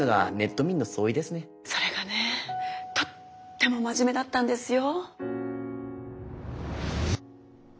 それがねとっても真面目だったんですよ。